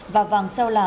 và vàng seo lê